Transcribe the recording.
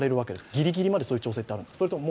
ギリギリまでそういう調整はあるものですか。